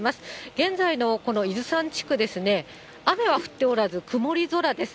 現在のこの伊豆山地区ですね、雨は降っておらず、曇り空です。